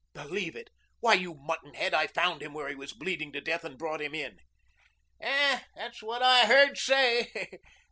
"Believe it! Why, you muttonhead, I found him where he was bleeding to death and brought him in." "That's what I heard say.